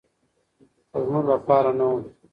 خو زموږ لپاره نه و.